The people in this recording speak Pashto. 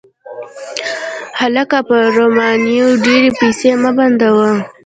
هلکه! په رومیانو ډېرې پیسې مه بندوه